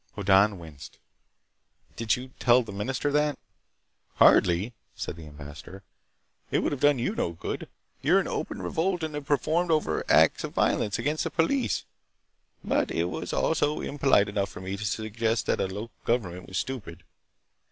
Hoddan winced. "Did you tell the Minister that?" "Hardly," said the ambassador. "It would have done you no good. You're in open revolt and have performed overt acts of violence against the police. But also it was impolite enough for me to suggest that the local government was stupid.